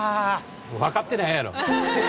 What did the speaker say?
わかってないやろ！